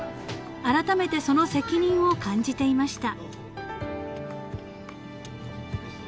あらためてその責任を感じていました］